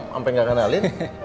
sampai gak kenalin